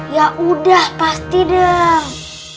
ya udah pasti dong